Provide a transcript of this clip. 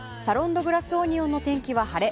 ・ド・グラスオニオンの天気は晴れ。